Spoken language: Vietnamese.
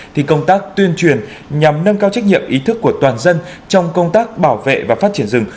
thì công tác tuyên truyền nhằm nâng cao trách nhiệm ý thức của toàn dân trong công tác bảo vệ và phát triển rừng